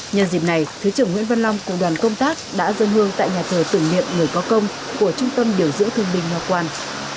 nhân dịp này thứ trưởng nguyễn văn long cùng đoàn công tác đã dân hương tại nhà thờ tưởng niệm người có công của trung tâm điều dưỡng thương binh ngo quan